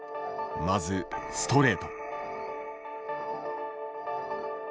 まずストレート。